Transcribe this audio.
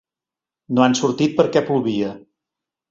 No han sortit perquè plovia.